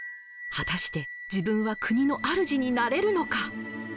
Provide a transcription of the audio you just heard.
果たして自分は国のあるじになれるのか。